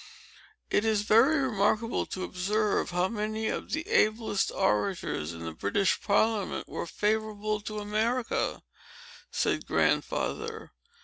"It is very remarkable to observe how many of the ablest orators in the British Parliament were favorable to America," said Grandfather.